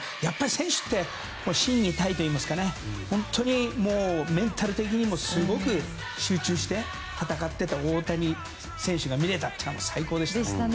選手って心技体といいますか本当にメンタル的にもすごく集中して戦っていた大谷選手が見れたというのは最高でした。